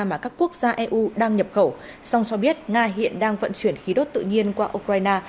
mà các quốc gia eu đang nhập khẩu song cho biết nga hiện đang vận chuyển khí đốt tự nhiên qua ukraine